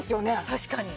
確かに。